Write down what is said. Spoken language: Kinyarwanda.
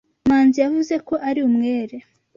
Manzi yavuze ko ari umwere.